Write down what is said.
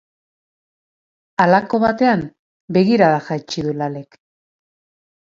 Halako batean, begirada jaitsi du Lalek.